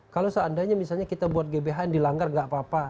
kalau seandainya misalnya kita buat gbhn dilanggar nggak apa apa